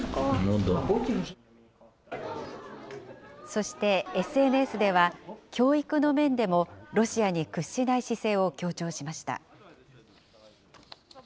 そして、ＳＮＳでは教育の面でもロシアに屈しない姿勢を強調しました。